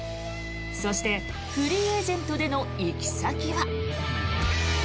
そして、フリーエージェントでの行き先は。